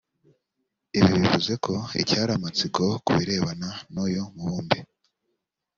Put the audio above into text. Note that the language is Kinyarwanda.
Ibi bivuze ko icyari amatsiko ku birebana n’uyu mubumbe